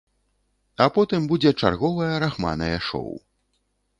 А потым будзе чарговае рахманае шоў.